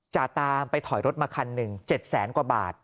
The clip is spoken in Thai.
จาตามไปถอยรถมาคันหนึ่ง๗แสนกว่าบาท